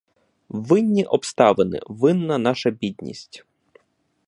Винні обставини, винна наша бідність.